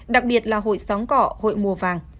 đặc biệt là hội sóng cọ hội mùa vàng